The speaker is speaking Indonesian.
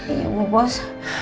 iya bu bos